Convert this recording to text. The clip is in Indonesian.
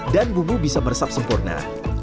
dan bubu bisa meresap sempurna